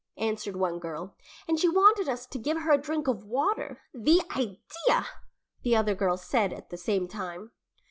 answered one girl. "And she wanted us to give her a drink of water. The idea!" the other girl said at the same time.